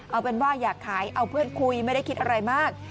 เอาเป็นว่าอยากขายเอาเพื่อนคุยไม่ได้คิดอะไรมาก